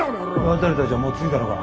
渡たちはもう着いたのか？